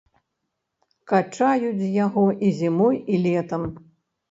Качаюць з яго і зімой, і летам.